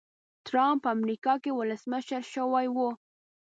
ټرمپ په امریکا کې ولسمشر شوی و.